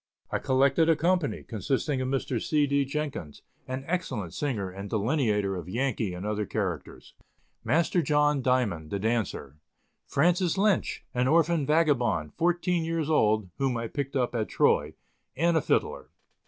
I collected a company, consisting of Mr. C. D. Jenkins, an excellent singer and delineator of Yankee and other characters; Master John Diamond, the dancer; Francis Lynch, an orphan vagabond, fourteen years old, whom I picked up at Troy, and a fiddler.